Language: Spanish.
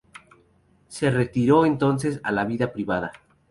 Se retiró entonces a la vida privada.